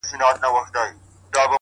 اوښکي ساتمه ستا راتلو ته تر هغې پوري”